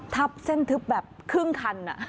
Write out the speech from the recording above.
ทับเส้นทึบแบบครึ่งคัน